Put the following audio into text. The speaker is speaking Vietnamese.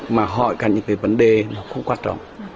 mà hỏi cả những cái vấn đề nó không quan trọng